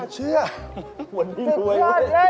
เชื่อวันนี้รวยเว้ย